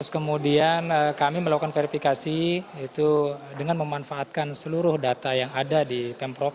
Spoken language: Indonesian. kemudian kami melakukan verifikasi dengan memanfaatkan seluruh data yang ada di pemprov